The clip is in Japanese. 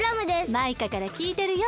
マイカからきいてるよ。